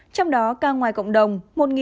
trong đó ca ngoài cộng đồng một năm trăm chín mươi tám